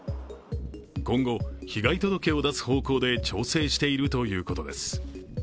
今後、被害届を出す方向で調整しているということです。